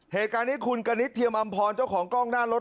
เหตุการณ์นี้คุณกณิตเทียมอำพรเจ้าของกล้องหน้ารถ